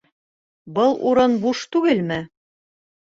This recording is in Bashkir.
Был урын буш түгелме?